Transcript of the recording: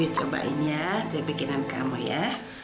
yuk cobain ya teh bikinan kamu ya